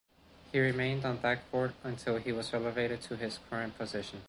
He remained on that court until he was elevated to his current position.